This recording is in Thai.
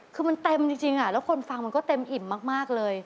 คือมันเต็มจริงแล้วคนฟังมันก็เต็มอิ่มมากเลย